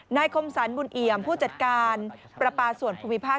คมสรรบุญเอี่ยมผู้จัดการประปาส่วนภูมิภาค